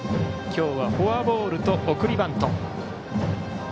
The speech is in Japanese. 今日はフォアボールと送りバント。